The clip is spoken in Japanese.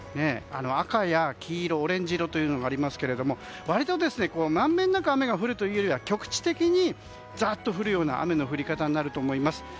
赤や黄色、オレンジ色というのがありますけど割とまんべんなく雨が降るというよりは局地的にざっと降るような降り方になると思います。